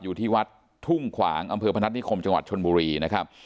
อยู่ที่วัดทุ่งขวางอำเภอพนัฐนิคมจังหวัดชนบุรีนะครับ